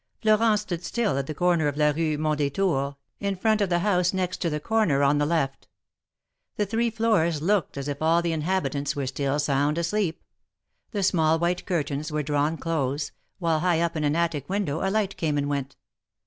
Florent stood still at the corner of la Rue Mond^tour, in front of the house next to the corner on the left. The three floors looked as if all the inhabitants were still sound asleep ; the small white curtains were drawn close, while high up in an attic window, a light came and went.